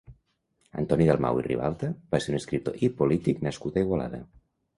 Antoni Dalmau i Ribalta va ser un escriptor i polític nascut a Igualada.